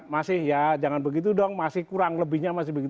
masih ya jangan begitu dong masih kurang lebihnya masih begitu